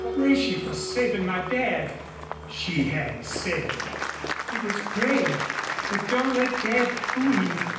"Bless you for saving my dad!" she had said. "It was brave.... But don't let dad fool you.